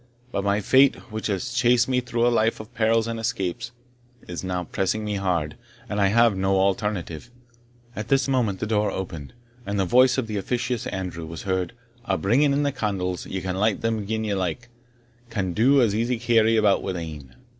But my fate, which has chased me through a life of perils and escapes, is now pressing me hard, and I have no alternative." At this moment the door opened, and the voice of the officious Andrew was heard "A'm bringin' in the caunles Ye can light them gin ye like Can do is easy carried about wi' ane."